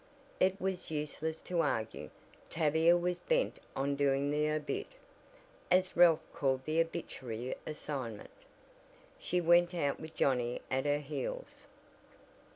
It was useless to argue. Tavia was bent on doing the "obit." as Ralph called the obituary assignment. She went out with Johnnie at her heels.